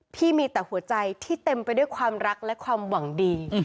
พี่มีแต่หัวใจที่เต็มไปด้วยความรักและความหวังดี